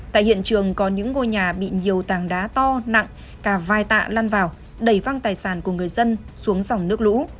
tại hiện trường có những ngôi nhà bị nhiều tàng đá to nặng cả vài tạ lan vào đầy văng tài sản của người dân xuống dòng nước lũ